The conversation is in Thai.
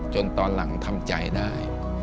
ตอนหลังทำใจได้